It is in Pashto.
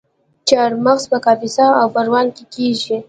چهارمغز په کاپیسا او پروان کې کیږي.